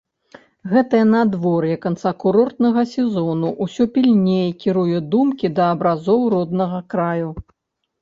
Гэтае надвор'е канца курортнага сезону ўсё пільней кіруе думкі да абразоў роднага краю.